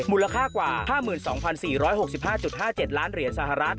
มูลค่ากว่า๕๒๔๖๕๕๗ล้านเหรียญสหรัฐ